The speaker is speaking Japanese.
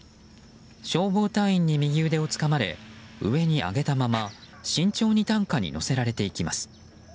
消防隊員に右腕をつかまれ上に上げたまま慎重に担架に乗せられていきます。